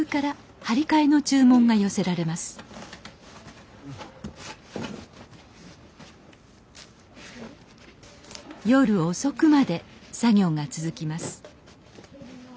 夜遅くまで作業が続きます